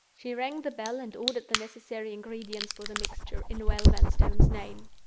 She rang the bell and ordered the necessary ingredients for the mixture, in Noel Vanstone's name.